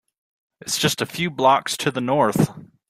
It’s just a few blocks to the North.